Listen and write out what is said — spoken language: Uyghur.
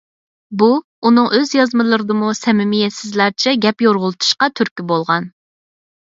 بۇ ئۇنىڭ ئۆز يازمىلىرىدىمۇ سەمىمىيەتسىزلەرچە گەپ يورغىلىتىشىغا تۈرتكە بولغان.